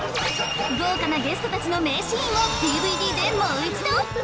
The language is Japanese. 豪華なゲストたちの名シーンをＤＶＤでもう一度！